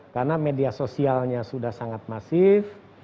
karena media sosialnya sudah sangat masif